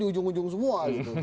di ujung ujung semua gitu